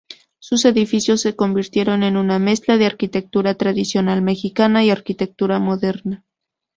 Sus edificios se convirtieron en una mezcla de arquitectura tradicional mexicana y arquitectura moderna.